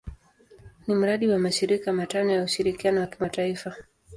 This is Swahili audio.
Ni mradi wa mashirika matano ya ushirikiano wa kimataifa.